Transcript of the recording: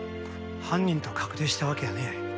犯人と確定したわけやねえ。